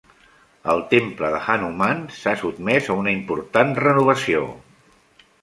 El temple de Hanuman s'ha sotmès a una important renovació.